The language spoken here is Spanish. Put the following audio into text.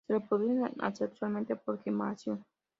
Se reproducen asexualmente por gemación.